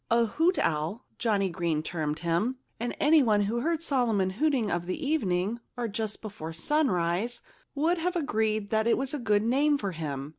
A "hoot owl," Johnnie Green termed him. And anyone who heard Solomon hooting of an evening, or just before sunrise, would have agreed that it was a good name for him.